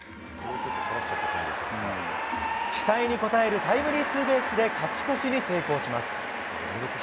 期待に応えるタイムリーツーベースで勝ち越しに成功します。